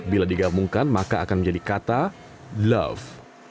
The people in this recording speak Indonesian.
bila digabungkan maka akan menjadi kata love